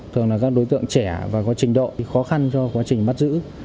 thường là các đối tượng trẻ và có trình độ khó khăn cho quá trình bắt giữ